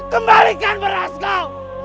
kembalikan beras kau